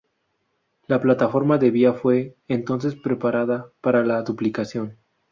La plataforma de vía fue, entonces, preparada para la duplicación.